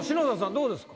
どうですか？